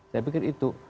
saya pikir itu